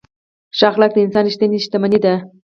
ښه اخلاق د انسان ریښتینې شتمني ده.